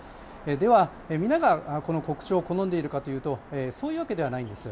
では皆が国潮を好んでいるかというとそういうわけではないんです。